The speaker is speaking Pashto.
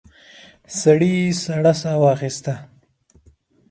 سړي سړه ساه واخيسته.